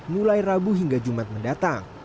mulai rabu hingga jumat mendatang